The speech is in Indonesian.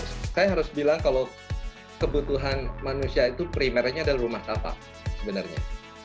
saya harus bilang kalau kebutuhan manusia itu primernya adalah rumah apa sebenarnya